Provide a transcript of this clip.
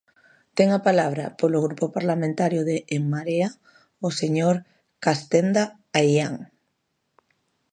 Ten a palabra, polo Grupo Parlamentario de En Marea, o señor Castenda Aián.